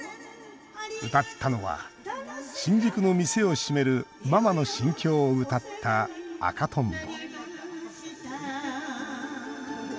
歌ったのは新宿の店を閉めるママの心境を歌った「紅とんぼ」